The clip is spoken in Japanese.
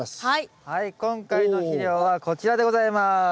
はい今回の肥料はこちらでございます。